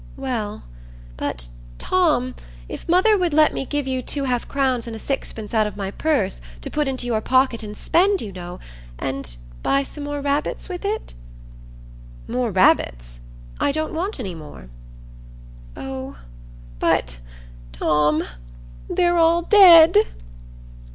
"Well, but, Tom—if mother would let me give you two half crowns and a sixpence out of my purse to put into your pocket and spend, you know, and buy some more rabbits with it?" "More rabbits? I don't want any more." "Oh, but, Tom, they're all dead."